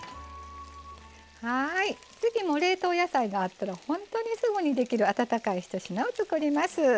次も冷凍野菜があったらほんとにすぐにできる温かいひと品を作ります。